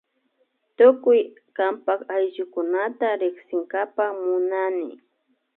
Tukuy kanpak ayllukunata riksinkapak munani